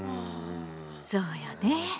そうよね。